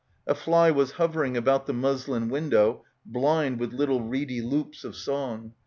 A fly was hovering about the muslin window blind with little reedy loops of song.